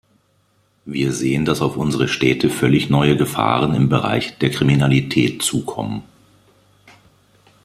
Wir sehen, dass auf unsere Städte völlig neue Gefahren im Bereich der Kriminalität zukommen.